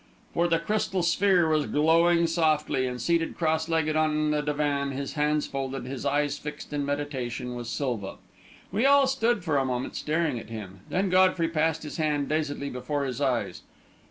For the crystal sphere was glowing softly, and seated cross legged on the divan, his hands folded, his eyes fixed in meditation, was Silva. We all stood for a moment staring at him, then Godfrey passed his hand dazedly before his eyes.